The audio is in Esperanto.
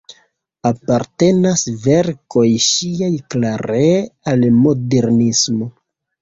Apartenas verkoj ŝiaj klare al modernismo.